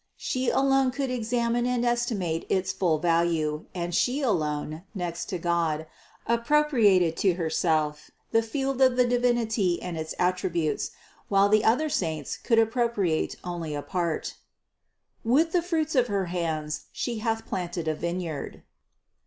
She alone could examine and estimate its full value and She alone, next to God, appropriated to Herself, the field of the Divinity and its attributes, while the other saints could appropriate only a part "With the fruits of her hands She hath planted a vineyard."